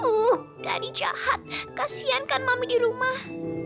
uh daddy jahat kasihan kan mami di rumah